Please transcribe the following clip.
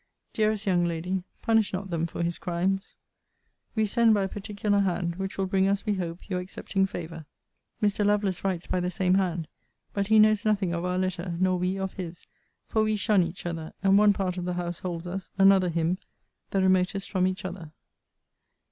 Dearest young lady, punish not them for his crimes. We send by a particular hand, which will bring us, we hope, your accepting favour. Mr. Lovelace writes by the same hand; but he knows nothing of our letter, nor we of his: for we shun each other; and one part of the house holds us, another him, the remotest from each other.